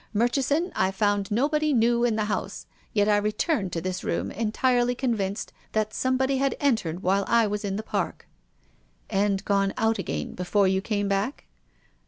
Murchison, I found no body new in the house — yet I returned to this room entirely convinced that somebody had en tered while I was in the Park." "And gone out again before you came back?"